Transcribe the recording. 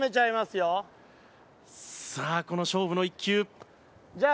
さあこの勝負の１球。